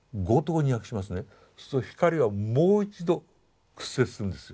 そうすると光はもう一度屈折するんですよ。